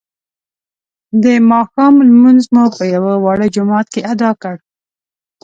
د ماښام لمونځ مو په یوه واړه جومات کې ادا کړ.